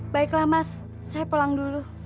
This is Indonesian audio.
baiklah mas saya pulang dulu